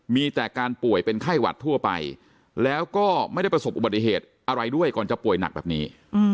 มีแต่การป่วยเป็นไข้หวัดทั่วไปแล้วก็ไม่ได้ประสบอุบัติเหตุอะไรด้วยก่อนจะป่วยหนักแบบนี้